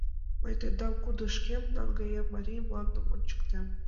— Мый тендам кудышкем наҥгаем, Марий мландым ончыктем.